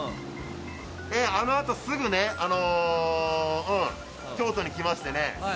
あのあとすぐ京都に来ましてね。